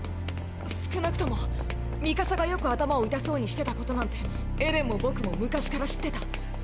少なくともミカサがよく頭を痛そうにしてたことなんてエレンも僕も昔から知ってた。